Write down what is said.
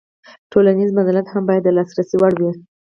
تولنیز منزلت هم باید د لاسرسي وړ وي.